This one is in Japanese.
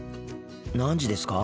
何時ですか？